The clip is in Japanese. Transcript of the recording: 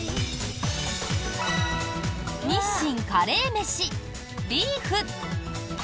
日清カレーメシビーフ。